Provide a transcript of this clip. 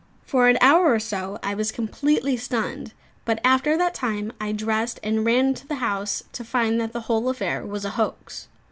For an hour or so I was completely stunned; but after that time I dressed and ran to the house, to find that the whole affair was a hoax.